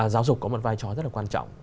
giáo dục có một vai trò rất là quan trọng